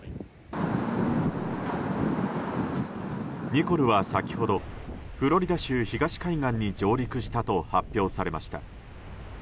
ニコルは先ほどフロリダ州東海岸に上陸したと発表されました。